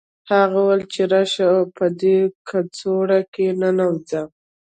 هغه وویل چې راشه او په دې کڅوړه کې ننوځه